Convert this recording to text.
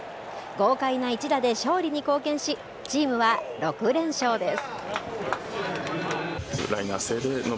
豪快な一打で勝利に貢献し、チームは６連勝です。